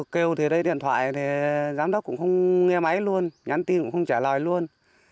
kêu thì đây điện thoại thì giám đốc cũng không nghe máy luôn nhắn tin cũng không trả lời luôn